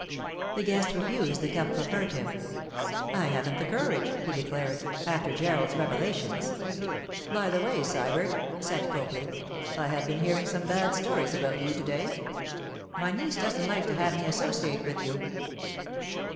The guest refused the cup proffered him. 'I haven't the courage,' he declared, 'after Gerald's revelations.' 'By the way, Sybert,' said Copley, 'I have been hearing some bad stories about you to day. My niece doesn't like to have me associate with you.